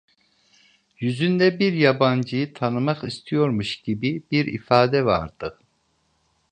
Yüzünde bir yabancıyı tanımak istiyormuş gibi bir ifade vardı.